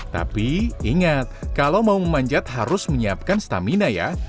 tapi ingat kalau mau memanjat harus menyiapkan stamina ya